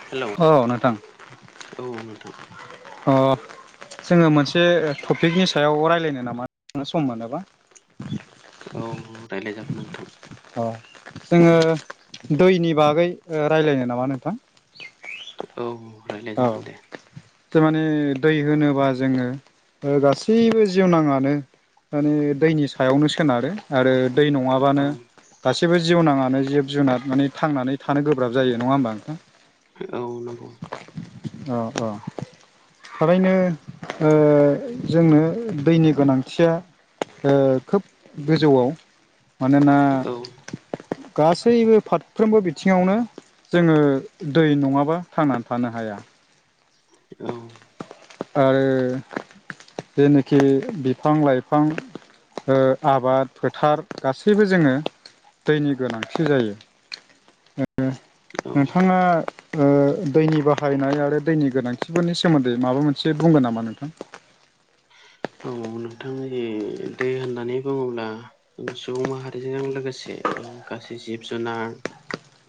Hello. अ नोंथां। औ औ नोंथां। अ जोङो मोनसे टपिकनि सायाव रायज्लायनो नामा सम मोनोबा? औ रायज्लायजागोन नोंथां। अ जोङो दैनि बागै रायज्लायनो नामा नोंथां? औ रायज्लाय औ जागोन दे। थारमाने दै होनोबा जोङो गासैबो जिउनााङानो माने दैनि सायावनो सोनारो आरो दै नङाबानो औ गासैबो जिउनााङानो जिब जुनार माने थांनानै थानो गोब्राब जायो नङा होमबा नोंथां? औ नंगौ। अ अ। थारैनो ओ जोंनो दैनि गोनांथिया ओ खोब गोजौआव मानोना औ गासैबो फारफ्रोमबो बिथिङावनो जोङो दै नङाबा थांनानै थानो हाया। औ आरो जेनोखि बिफां लाइफां आबाद फोथार गासैबो जोङो दैनि गोनांथि जायो औ नोंथाङा दैनि बाहायनाय आरो दैनि गोनांथि खाथिफोरनि सोमोन्दै माबा मोनसे बुंगोन नामा नोंथां औ नोंथांनि जि दै होननानै बुङोब्ला सुबुं माहारिजों लोगोसे गासै जिब - जुनार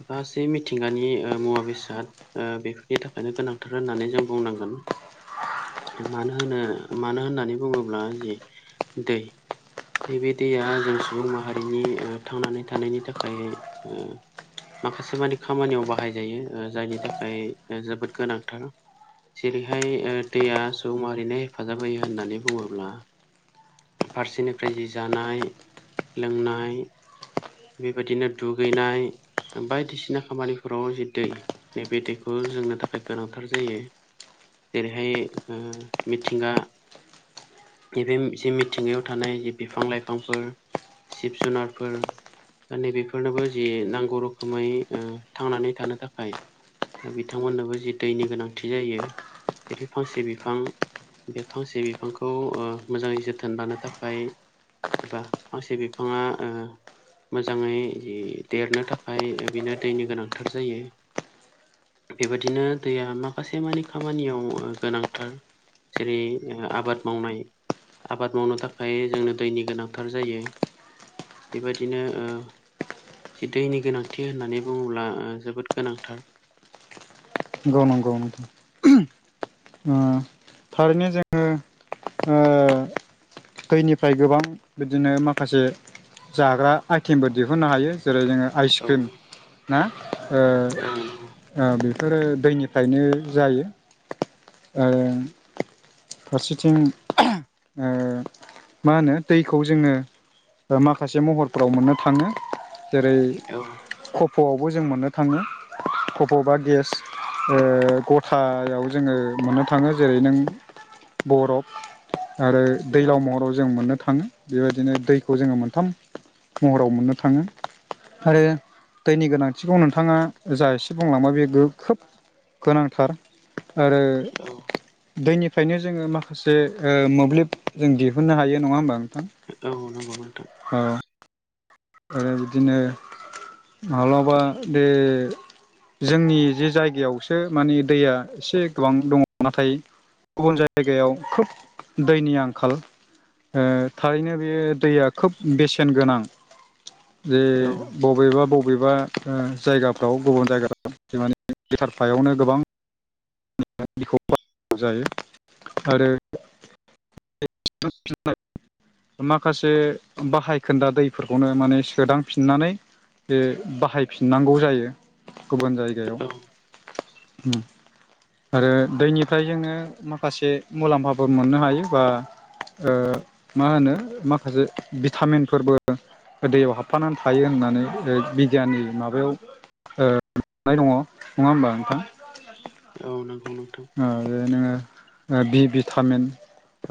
माखासे मिथिंगानि मुवा - बेसाद बेफोरनि थाखायनो गोनांथार होननानै जों बुंनांगोन मानो होनो मानो होननानै बुङोब्ला जि दै नैबे दैया जों सुबुं माहारिनि थांनानै थानायनि थाखाय माखासे मानि खामानियाव बाहायजायो जायनि थाखाय जोबोद गोनांथार जेरैहाय दैया सुबुं मारिनो हेफाजाब होयो होननानै बुङोब्ला फारसेनिफ्राय जि जानाय लोंनाय बेबायदिनो दुगैनाय बायदिसिना खामानिफोराव जि दै नैबे दैखौ जोंनो थाखाय गोनांथार जायो जेरैहाय मिथिंगा बेब जे मिथिंगायाव थानाय जे बिफां- लाइफांफोर जिब- जुनारफोर नैबेफोरनोबो जि नांगौ रोखोमै थांनानै थानो थाखाय दा बिथांमोननोबो जि दैनि गोनांथि जायो जेरै फांसे बिफां बे फांसे बिफांखौ खौ मोजाङै जोथोन लानो थाखाय एबा फांसे बिफाङा मोजाङै जि देरनो थाखाय बिनो दैनि गोनांथार जायो बेबायदिनो दैया माखासे मानिे खामानियाव गोनांथार जेर आबाद मावनाय आबाद मावनो थाखाय जोंनो दैनि गोनांथार जायो बेबायदिनो जि दैनि गोनांथि होननानै बुङोब्ला जोबोद गोनांथार गौ नंगौ नंथ थारैनो जोङो दैनिफ्राय गोबां बिदिनो माखासे जाग्रा आइटेमबो दिहुननो हायो जेरै जोङो औ आइसक्रिम ना बे औ नंगौ बेफोरो दैनिफ्रायनो जायो फारसेथिं मा होनो दैखौ जोङो माखासे महरफोराव मोननो थाङो जेरै औ कप'आवबो जों मोननो थाङो कप' बा गेट गथायाव जोङो मोननो थाङो जेरै नों बरफ आरो औ दैलाव महराव जों मोननो थाङो बेबायदिनो दैखौ जोङो मोनथाम महराव मोननो थाङो आरो दैनि गोनांथिखौ नोंथाङा जा एसे बुंलांबाय बे खोब गोनांथार आरो औ दैनिफ्रायनो जोङो माखासे मोब्लिब जों दिहुननो हायो नङा होमबा नोंथां औ नंगौ नोंथां ह आरो बिदिनो माब्लाबा बे जोंनि जे जायगायावसो माने दैया एसे गोबां दङ नाथाय गुबुन जायगायाव खोब दैनि आंखाल थारैनो बे दैया खोब बेसेन गोनां जे औ बबेबा बबेबा जायगाफ्राव गुबुन जायगा माने लिटार फायावनो गोबां [inaudible] खौ जायो आरो [inaudible] माखासे बाहायखोन्दा दैफोरखौनो माने सोदांफिननानै बे बाहायफिननांगौ जायो गुबुन जायगायाव औ आरो दैनिफ्राय जोंङो माखासे मुलाम्फाफोर मोननो हायो बा ओ मा होनो माखासे भिटामिनफोरबो दैयाव हाबफानानै थायो होननानै ओ बिगियाननि माबायाव [inaudible] नाय दंङ नंङा होमबा नोंथां औ नंगौ नोंथां ओ बे नोंङो ओ बि भिटामिन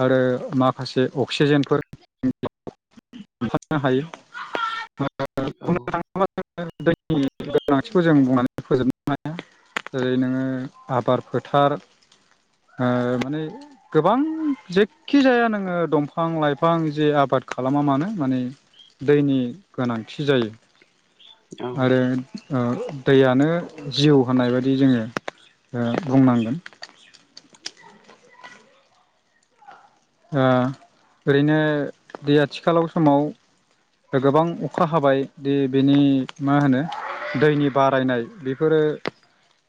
आरो माखासे अक्सिजेनफोर [inaudible] नो हायो [inaudible] औ बुंनो थां मा ज [inaudible] दैनि गोनांथिखौ जों बुंनानै फोजोबनो हाया जेरै नोंङो आबार फोथार माने गोबां जे खि जाया नोंङो दंफां लाइफां जे आबाद खालामा मानो माने दैनि गोनांथि जायो औ आरो दैयानो जिउ होननाय बायदि जोंङो बुंनांगोन ओ ओरैनो दै आथिखालाव समाव दा गोबां अखा हाबाय दि बेनि मा होनो दैनि बारायनाय बेफोरो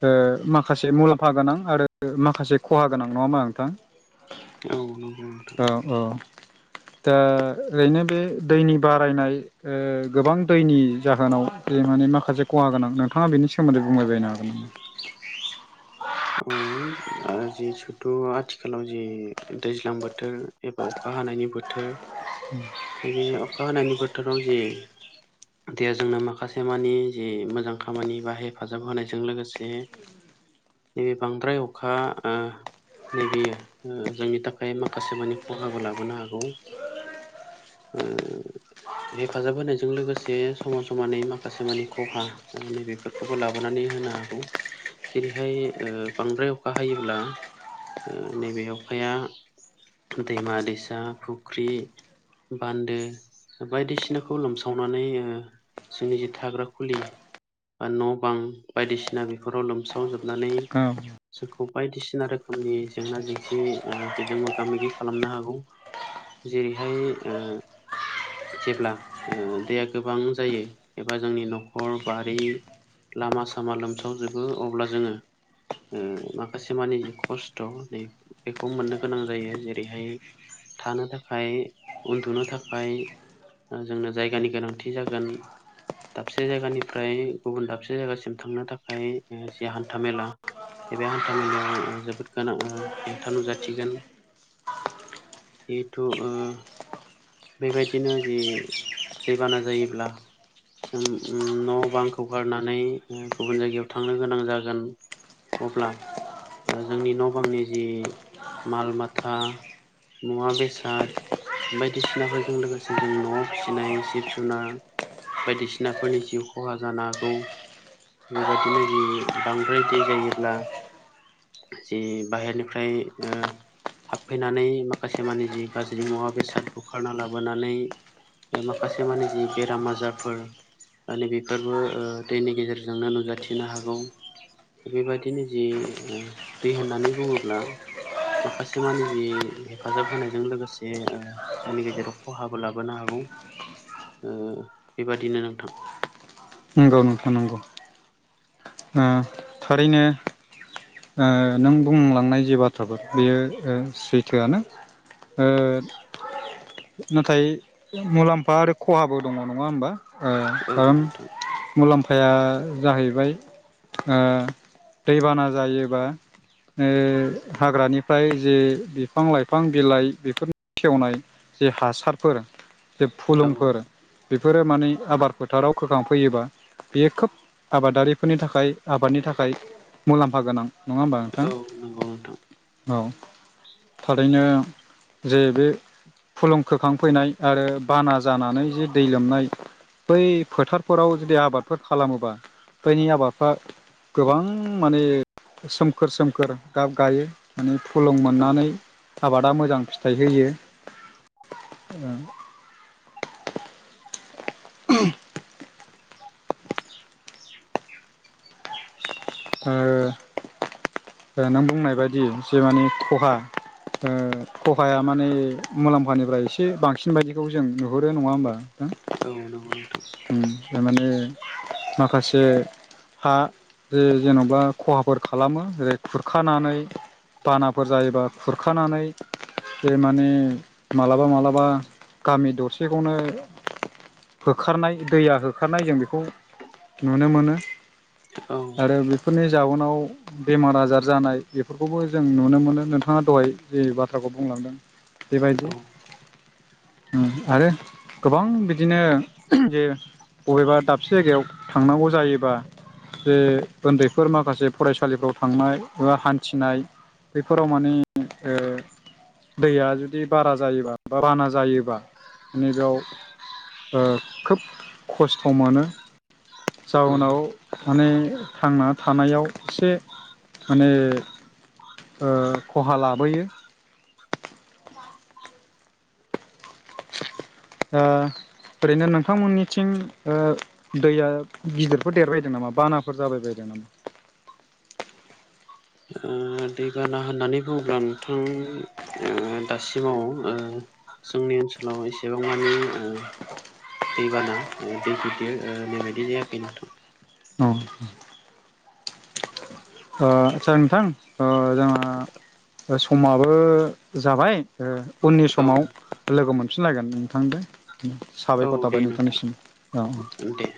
ओ माखासे मुलाम्फा गोनां आरो माखासे खहा गोनां नंङाहोमबा नोंथां औ नं औ औ दा ओरैनो बे दैनि बारायनाय ओ गोबां दैनि जाहोनाव जे माने माखासे खहा गोनां नोंथांङा बेनि सोमोन्दै बुंबायबायनो हागोन ना औ जि सुथु आथिखालाव जि दैज्लां बोथोर थोर एबा अखा हानायनि बोथोर उम [inaudible] नैबे अखा हानायनि बोथोराव जे दैया जोंना माखासे मानि जि मोजां खामानि बा हेफाजाब होनायजों लोगोसे नैबे बांद्राय अखा ओ नैबेयो ओ जोंनि थाखाय माखासे मानि खहाबो लाबोनो हागौ ओ हेफाजाब होनायजों लोगोसे समान समानै माखासे मानि खहा नैबेफोर खौ लाबोनानै होनो हागौ जेरै हाय ओ बांद्राय अखा हायोब्ला ओ नैबे अखाया दैमा दैसा फुख्रि बान्दो बायदिसिनाखौ लोमसावनानै जोंनि जि थाग्रा खुलि बा न' बां बायदिसिना बेफोराव लोमसाव जोब नानै औ जोंखौ बायदिसिना रोखोमनि जेंना जेंसि बेजों मोगा मोगि खालामनो हागौ जेरैहाय जेब्ला दैया गोबां जायो एबा जोंनि न'खर बारि लामा सामा लोमसावजोबो अब्ला जोंङो ओ माखासे मानि जि खस्थ' नै बेखौ मोननो गोनां जायो जेरैहाय थानो थाखाय उन्दुनो थाखाय ओ जोंनो जायगानि गोनांथि जागोन। दाबसे जायगानिफ्राय गुबुन दाबसे जायगासिम थांनो थाखाय ज हान्थ मेला बे हान्था मेलायाव जोबोद गोनां ओ हेंथा नुजाथिगोन। जिथु ओ बेबायदिनो जि दैबाना जायोब्ला जों ओम न' बांखौ गारनानै गुबुन जायगायाव थांनो गोनां जागोन। अब्ला जोंनि न' बांनि जि माल माथा मुवा बेसाद बायदिसिना [unintelligible] जों लोगोसे जों न'आव फिसिनाय जिब जुनार बायदिसिनाफोरनि जिउ खहा जानो हागौ। बेबादिनो जि बांद्राय दै जायोब्ला जि बाहेरनिफ्राय ओ हाबफैनानै माखासे मानि जि गाज्रि मुवा बेसाद बुखारना लाबोनानै माखासे माने जि बेराम आजारफोर मानि बेफोरबो ओ दैनि गेजेरजोंनो नुजाथिनो हागौ। बेबायदिनो जि दै होननानै बुङोब्ला माखासे मान जि हेफाजाब होनायजों लोगोसे ओ जोंनि गेजेराव खहाबो लाबोनो हागौ ओ बेबादिनो नोंथां नोंगौ नों थां नंगौ ओम थारैनो ओ नों बुंलांनाय जे बाथ्राफोर बेयो ओ सैथोआनो ओ नाथाय मुलाम्फा आरो खहाबो दङ नङा होमबा औ ओ ओम नोंथां मुलाम्फाया जाहैबाय ओ दैबाना जायोबा ओ हाग्रानिफ्राय जे बिफां लाइफां बिलाइ बेफोरनि सेेवनाय जे हासारफोर जे औ फुलुंफोर बेफोरो माने आबाद फोथाराव खोखांफैयोबा बियो खोब आबादारि फोरनि थाखाय आबादनि थाखाय मुलाम्फा गोनां नङा होमबा नोंथां। औ नंगौ नोंथां औ थारैनो जे बे फुलुं खोखांफैनाय आरो बाना जानानै जे दै लोमनाय बै फोथारफोराव जुदि आबादफोर खालामोबा बै आबादफ्रा गोबां माने सोमखोर सोमखोर दाब गायो। माने फुलुं औ मोननानै आबादा मोजां फिथाइ होयो। [inaudible] ओ नों बुंनाय बायदि जे माने खहा खहाया माने मुलाम्फानिफ्राय एसे बांसिन बायदिखौ जों नुहुरो नङा होमबा औ नंगौ नंथां। उम थारमाने माखासे हा जे जेन'बा खहाफोर खालामो जै खुरखानानै बानाफोर जायोबा खुरखानानै बे माने मालाबा मालाबा गामि दरसेखौनो होखारनाय दैया होखारनाय जों बेखौ नुनो मोनो औ आरो बे बे फोरनि जाउनाव बेमार आजार जानाय बेफोरखौबो जों नुनो मोनो नोंथाङा दहाय जे बाथ्राखौ बुंलांदों। बेबायदि औ ओम आरो गोबां बिदिनो जे बबेबा दाबसे जायगायाव थांनांगौ जायोबा जे उन्दैफोर माखासे फरायसालिफ्राव थांनाय बा हान्थिनाय बेफोराव माने ओ दैया जुदि बारा जायोबा बा बाना जायोबा नै बेयाव खोब खस्थ' मोनो औ ओ जाउोनाव माने थांना थानायाव एसे माने ओ खहा लाबोयो। बा ओ ओरैनो नोंथांमोननिथिं ओ दैया गिदिरफोर देरबायदों नामा बानाफोर जाबाय बायदों नामा? ओ दैबाना होननानै बुङोब्ला नोंथां ओ दासिमाव ओ जोंनि ओनसोलाव एसेबां मानि ओ दैबाना ओ दै गिदिर ओ नैबाददि जायाखै नोंथां। औ ओ आचसा नोंथां ओ जोंहा समाबो जाबाय ओ उननि औ समाव लोगो मोनफिनलायगोन नोंथां दे औ दे नोंथां दे